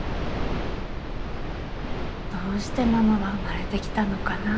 どうしてママは生まれてきたのかなあ？